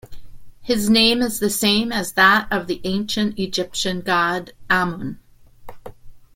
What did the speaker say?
His name is the same as that of the ancient Egyptian god Amun.